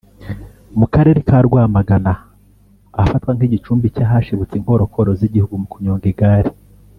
mu Karere ka Rwamagana ahafatwa nk’igicumbi cy’ahashibutse inkorokoro z’igihugu mu kunyonga igare